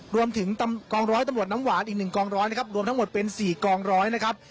รวมถึงกองร้อยตำรวจน้ำหวานอีก๑กองร้อยนะครับรวมทั้งหมดเป็น๔กองร้อยนะครับ